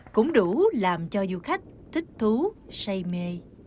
cũng đủ làm cho du khách thích thú say mê